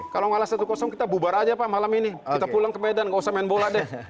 kalau ngalah satu kita bubar aja pak malam ini kita pulang ke medan nggak usah main bola deh